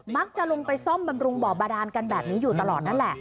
จะไปลงไปซ่อมบำรุงบ่อบาดานกันแบบนี้อยู่ตลอดนั่นแหละ